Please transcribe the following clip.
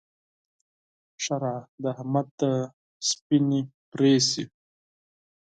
ښېرا: د احمد دې سپينې پرې شي!